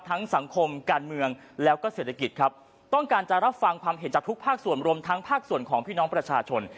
สังคมการเมืองแล้วก็เศรษฐกิจครับต้องการจะรับฟังความเห็นจากทุกภาคส่วนรวมทั้งภาคส่วนของพี่น้องประชาชน